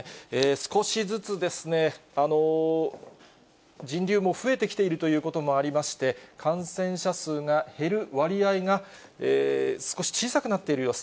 少しずつですね、人流も増えてきているということもありまして、感染者数が減る割合が少し小さくなっている様子。